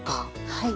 はい。